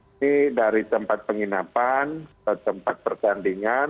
ini dari tempat penginapan ke tempat pertandingan